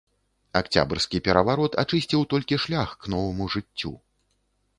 Акцябрскі пераварот ачысціў толькі шлях к новаму жыццю.